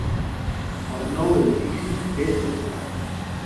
El nou edifici té tres parts.